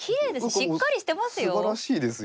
しっかりしてますよ。